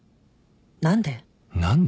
何で？